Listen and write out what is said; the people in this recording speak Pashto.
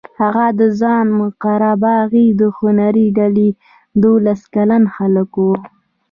هغه د خان قره باغي د هنري ډلې دولس کلن هلک و.